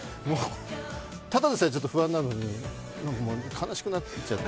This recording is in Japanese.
ただでさえ不安なのになんか悲しくなっちゃって。